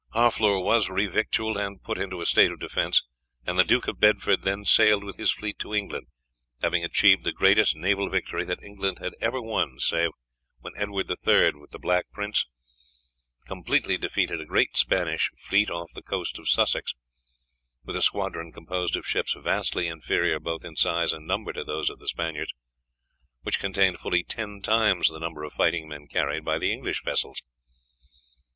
Harfleur was revictualled and put into a state of defence, and the Duke of Bedford then sailed with his fleet to England, having achieved the greatest naval victory that England had ever won save when Edward the Third, with the Black Prince, completely defeated a great Spanish fleet off the coast of Sussex, with a squadron composed of ships vastly inferior both in size and number to those of the Spaniards, which contained fully ten times the number of fighting men carried by the English vessels.